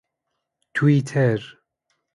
توییتر